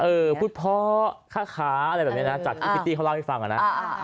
เออพูดเพาะค้าอะไรแบบนี้นะจากปิ๊ตตี้เข้าล่างให้ฟังนะ